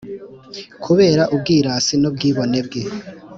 kubera ubwirasi n’ubwibone bwe,